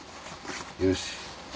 よし。